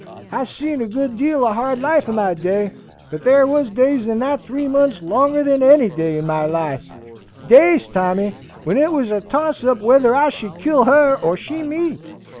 I've seen a good deal o' hard life in my day, but there was days in that three months longer than any day in my life, days, Tommy, when it was a toss up whether I should kill her or she me.